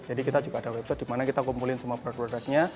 jadi kita juga ada website dimana kita kumpulin semua produk produknya